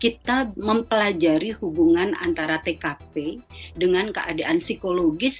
kita mempelajari hubungan antara tkp dengan keadaan psikologis